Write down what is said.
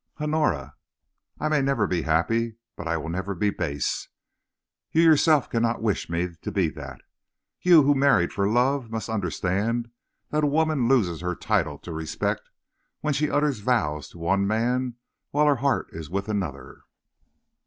"Honora!" "I may never be happy, but I will never be base. You yourself cannot wish me to be that. You, who married for love, must understand that a woman loses her title to respect when she utters vows to one man while her heart is with another."